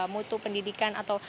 mutu pendidikan atau